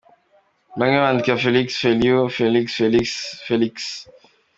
Bamwe bandika Phelix, Feliu, Félix, Felice, Feliks.